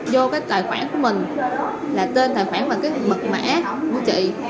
vô cái tài khoản của mình là tên tài khoản và cái mật mã của chị